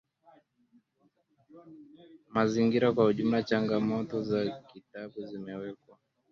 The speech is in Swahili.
mazingira Kwa ujumla changamoto za kitabu zimeweka